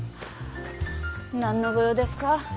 何のご用ですか？